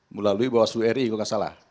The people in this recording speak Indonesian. melalui bawah seluruh ri enggak salah